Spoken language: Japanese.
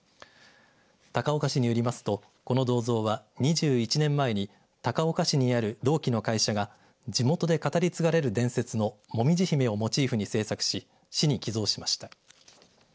高岡市によりますとこの銅像は２１年前に高岡市にある銅器の会社が地元で語り継がれる伝説のもみじ姫をモチーフに制作し市に寄贈しました。